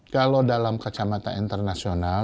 kalau dalam kacamata internasional